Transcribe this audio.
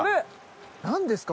何ですか？